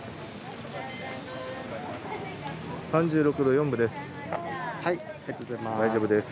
３６度４分です。